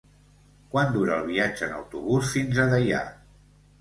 Quant dura el viatge en autobús fins a Deià?